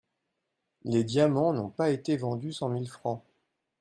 Les diamants n'ont pas été vendus cent mille francs.